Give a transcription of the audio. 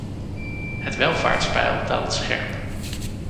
Het welvaartspeil daalt scherp.